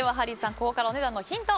ここからお値段のヒント